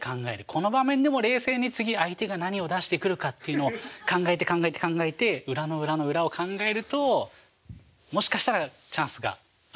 この場面でも冷静に次相手が何を出してくるかっていうのを考えて考えて考えて裏の裏の裏を考えるともしかしたらチャンスがあるかも。